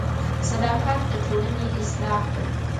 • صداقت د ټولنې اصلاح کوي.